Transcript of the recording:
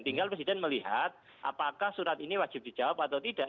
tinggal presiden melihat apakah surat ini wajib dijawab atau tidak